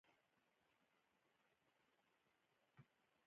هره چوپتیا کمزوري نه ده